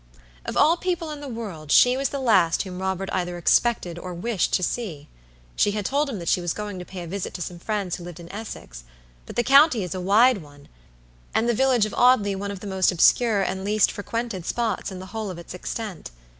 Of all people in the world she was the last whom Robert either expected or wished to see. She had told him that she was going to pay a visit to some friends who lived in Essex; but the county is a wide one, and the village of Audley one of the most obscure and least frequented spots in the whole of its extent.